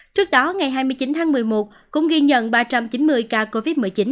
trước đó ngày hai mươi chín tháng một mươi một cũng ghi nhận ba trăm chín mươi ca covid một mươi chín